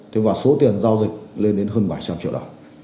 thế và số tiền giao dịch lên đến hơn bảy trăm linh triệu đồng